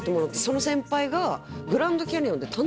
その先輩が。